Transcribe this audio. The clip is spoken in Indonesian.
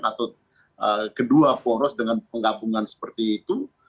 atau kedua poros dengan penggabungan seperti itu